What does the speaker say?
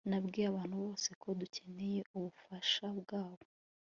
Nabwiye abantu bose ko dukeneye ubufasha bwabo